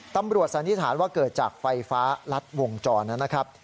สันนิษฐานว่าเกิดจากไฟฟ้ารัดวงจรนะครับ